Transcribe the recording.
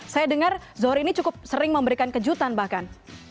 saya dengar zohri ini cukup sering memberikan kejutan bahkan